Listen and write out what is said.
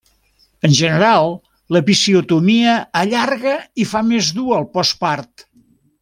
En general, l'episiotomia allarga i fa més dur el postpart.